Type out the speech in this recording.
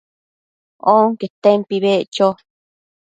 onquetempi beccho